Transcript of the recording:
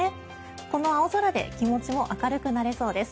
この青空で気持ちも明るくなれそうです。